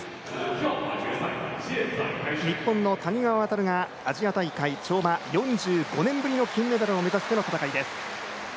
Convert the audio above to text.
日本の谷川航がアジア大会跳馬、４５年ぶりの金メダルを目指しての戦いです。